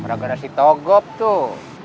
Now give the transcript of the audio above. pragerasi togop tuh